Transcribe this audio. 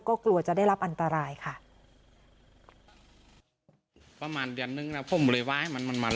ก็กลัวจะได้รับอันตรายค่ะ